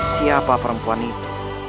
siapa perempuan itu